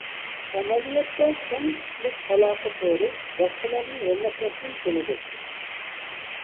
ئەمەلىيەتتە، كەڭ كىشىلىك ئالاقە تورى باشقىلارنى ھۆرمەتلەشتىن كېلىدۇ.